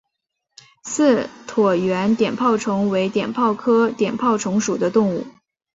似椭圆碘泡虫为碘泡科碘泡虫属的动物。